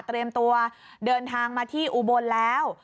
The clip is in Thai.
เตรียมตัวเดินทางมาที่อุบลแล้ว